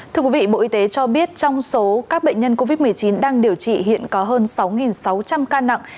thưa quý vị bộ y tế cho biết trong số các bệnh nhân covid một mươi chín đang điều trị hiện có hơn sáu sáu trăm linh ca nặng